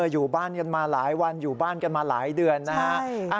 อยู่บ้านกันมาหลายวันอยู่บ้านกันมาหลายเดือนนะฮะ